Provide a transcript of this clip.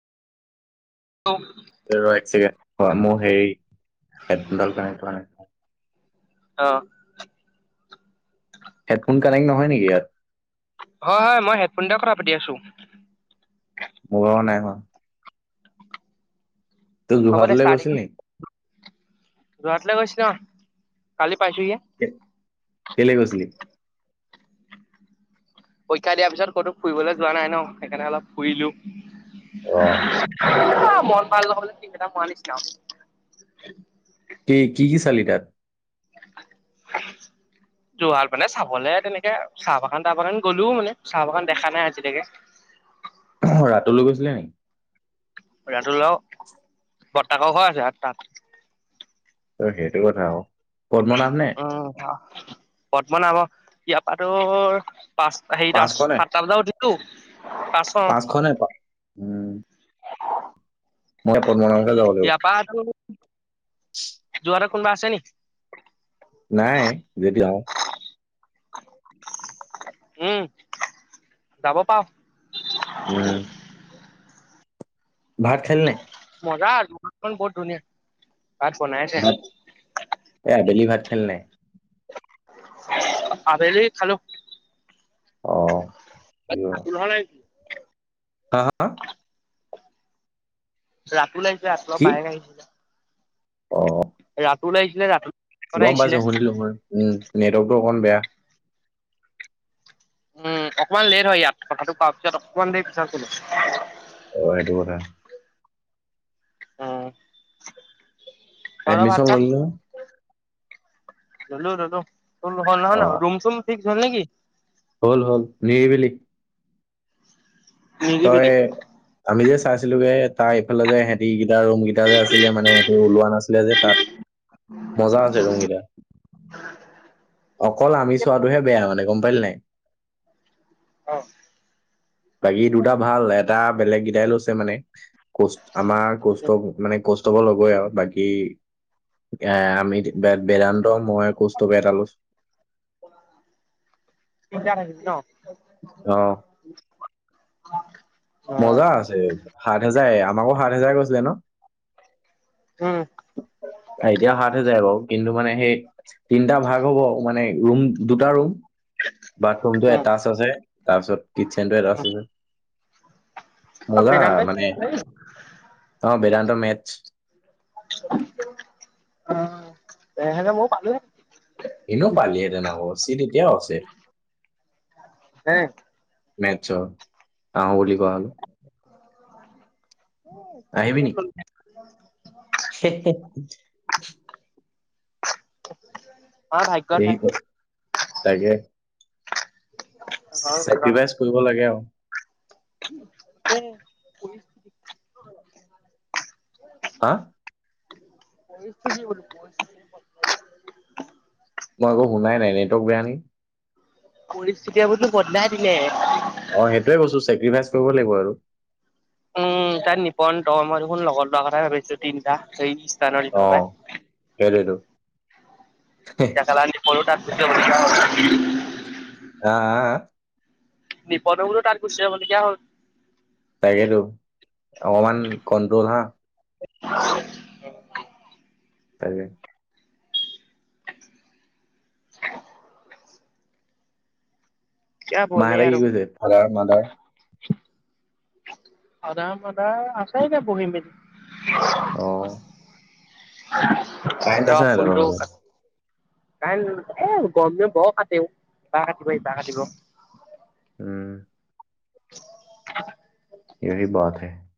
অ। এ ৰ এক ছেকেণ্ড, মোৰ সেই হেডফোনডাল নাই সেইটো কাৰণে। আহ। হেডফোন কানেক্ট নহয় নেকি ইয়াত? হয় হয় মই হেডফোন এ কথা পাতি আছো। মোৰ ভাগৰ নাই হোৱা। তই যোৰহাট দে গৈছিলি নি? গুৱাহাটী লে গৈছিলোঁ কালি পাইছোহিয়ে তে কেলে গৈছিলি? পৰীক্ষা দিয়াৰ পিছত ক'তো ফুৰিবলৈ যোৱা নাই ন, সেইকাৰণে অলপ ফুৰিলো। অ'। মন ভাল নহলে টিপ মৰা নিচিনা আও। কি কি কি চালি তাত? [unintelligible] যোৰহাট মানে চাবলে তেনেকে চাহ বাগান তাহ বাগান গ'লোও মানে চাহ বাগান দেখা নাই আজিলেকে। [unintelligible] তাতো লৈ গৈছিলে নি? ৰাতুল দাও বৰ্তাকৰ ঘৰ আছে তাত। তই সেইটো কথা ক। উম পদ বনাব ইয়াৰ পা তোৰ পাঁচ সেই পাঁচশ নে? সাতটা বজাত উঠিলো। পাঁচ পাঁচশ নাই পোৱা। উম, মই প মক যাব লাগিব। ইয়াৰ পৰা তোৰ যোৰহাটত কোনোবা আছে নি? নাই যদি উম যাব পাওঁ। উম। ভাত খালি নে? মজা, যোৰহাটখন বহুত ধুনীয়া। ভাত বনাইছে ভাত, এ আবেলি ভাত খালি নাই? আবেলি খালো। অ। কিয়? উলহ নাই। হা হা। ৰাতুল আহিছিলে ৰাতুল কি? বায়েক আহিছিলে। অ। ৰাতুল আহিছিলে, ৰাতু গম পাইছোঁ, শুনিলোঁ। উম, নেটৱৰ্কটো অকণ বেয়া। উম, অকমান লেট হয় ইয়াত কথাটো কোৱাৰ পিছত অকমান দেৰি পিছত শুনে। অঁ 'এইটো কথা উম তহঁতৰ ভাত এডমিশন চাত ললেো। ললো ললো হ -নহ ন অ', ৰৰুম চুম ঠিক্ হ'ল নেকি? হ'ল হল নিৰিবিলি তই নিজিবিল আমি যে চাইছিলোগে তাৰ ইফালে যে সিহঁতি কেইটা ৰুম কেইটা যে আছিলে মানে সিহতি ওলোৱা নাছিলে যে তাত মজা আছে ৰুমকেইতা অকল আমি চোৱাটোহে বেয়া মানে গম পাল নাই। অহ' বাকী দুটা ভাল এটা। বেলেগ কেইটাই লৈছে মানে ক? আমাৰ কষ্ট মানে কষ্টবোৰ লগয় আৰু বাকী এ আমি বেদান্ত মই কৌষ্টপে এটা লৈছো তিনিতা থাকিবি ন? আহ' অ মজা আছে সাত হেজাৰ আমাকো সাত হেজাৰ কৈছিলে ন উম এতিয়া সাত হেজাৰ বাৰু কিন্তু মানে সেই তিনিটা ভাগ হ'ব মানে ৰুম দুটা ৰুম বাথৰুম টো উম এটাচ আছে। তাৰপাছত কিচেন টো এটা আছে। অ মলা বেদান্তই মানে অঁ বেদান্ত মেথ অঁ তেনেহলে ময় পালো। হনো পালিহতে ন হব চিত এতিয়াও আছে। [unintelligible] আহ বুলি কোৱা হল। আহিবি নি [unintelligible] [unintelligible] [unintelligible] নাই এইত তাইকে চেক্ৰিভাইচ কৰিব লাগে আৰু। [unintelligible] হা', [unintelligible] মই একো শুনাই নাই, নেটৱৰ্ক বেয়া নি। পৰিস্থিতি আবোৰতো বদাই দিলে। অ' সেইটোৱে কৈছো। চেক্ৰিফাইচ কৰিব লাগিব আৰু। উম, তাত নিপন তই মই দেখোন লগৰ লোৱা কথাই ভাবিছো। তিনিটা স্থানৰ দিনৰ পৰাই। অ', সেইটোৱেটো। [unintelligible] আহ, আহ, আহ? নিপনো বুলো তাত গুচি যাব লগীয়া হ'ল। তাকেইেতো, অকমান কন্ট্ৰল হা। [inaudible] তাকে। [inaudible] কিয়া বলে মাহঁতে কি আৰু কৰিছে? Father mother. ফাডাৰ মাদাৰ আছে এতিয়া বহি মেলি। অ'। কাৰেণ্ট ৰ আছে নাই তহঁতৰ ফোনটো ফালে? ক [unintelligible] গৰম দিনত বৰ অশান্তি, ইবাৰ কাটিব হিবাৰ কাটিব। উম। [inaudible] ইহঁতি বহাতহে।